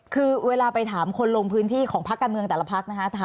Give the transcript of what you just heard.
คือเวลาไปถามคนลงพื้นที่ของพักการเมืองแต่ละพักนะคะ